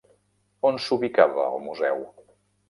On s'ubicava el museu?